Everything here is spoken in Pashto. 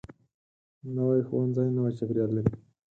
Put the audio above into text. نوی ښوونځی نوی چاپیریال لري